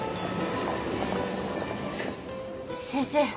先生。